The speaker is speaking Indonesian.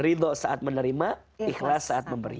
ridho saat menerima ikhlas saat memberi